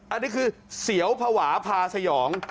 อันนี้คือเสียวภาวะพาสยอง